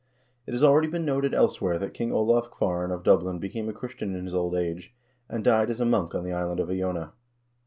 It has already been noted elsewhere that King Olav Kvaaran of Dublin became a Christian in his old age, and died as a monk on the island of Iona.